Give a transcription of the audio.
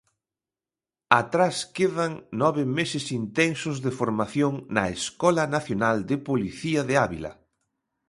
Atrás quedan nove meses intensos de formación na Escola Nacional de Policía de Ávila.